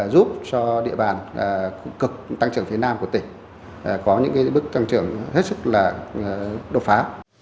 giúp cho địa bàn cực tăng trưởng phía nam của tỉnh có những bước tăng trưởng hết sức là đột phá